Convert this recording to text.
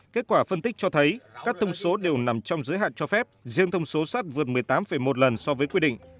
kết quả phân tích cho thấy các thông số đều nằm trong giới hạn cho phép riêng thông số sắt vượt một mươi tám một lần so với quy định